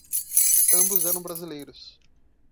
Ambos eram brasileiros.